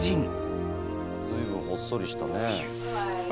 随分ほっそりしたね。